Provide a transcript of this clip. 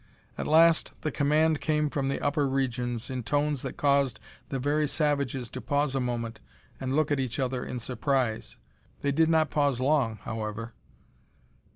At last the command came from the upper regions, in tones that caused the very savages to pause a moment and look at each other in surprise. They did not pause long, however!